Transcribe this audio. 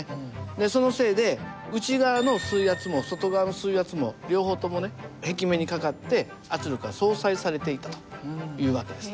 でそのせいで内側の水圧も外側の水圧も両方ともね壁面にかかって圧力が相殺されていたという訳です。